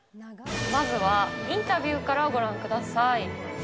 まずはインタビューからご覧ください。